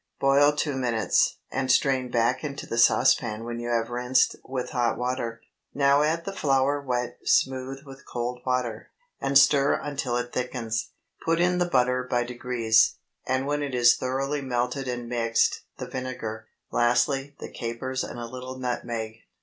Boil two minutes, and strain back into the saucepan when you have rinsed with hot water. Now add the flour wet smooth with cold water, and stir until it thickens; put in the butter by degrees, and when it is thoroughly melted and mixed, the vinegar; lastly, the capers and a little nutmeg.